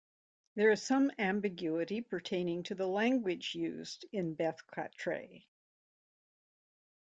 There is some ambiguity pertaining to the language used in Beth Qatraye.